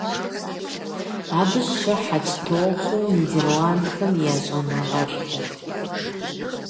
Абы щыхьэт тохъуэ Нидерландхэм я щӀэныгъэлӀхэр.